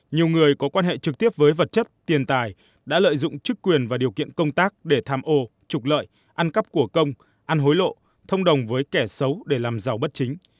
nhiều người có quan hệ trực tiếp với vật chất tiền tài đã lợi dụng chức quyền và điều kiện công tác để tham ô trục lợi ăn cắp của công ăn hối lộ thông đồng với kẻ xấu để làm giàu bất chính